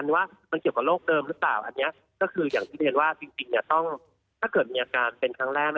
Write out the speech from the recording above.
อย่างที่เรียนว่าจริงถ้าเกิดมีอาการเป็นครั้งแรก